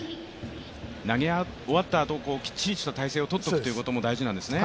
投げ終わったあと、きっちりした体勢をとっておくことも大事なんですね。